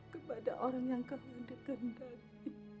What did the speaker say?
kepada orang yang kau mendekati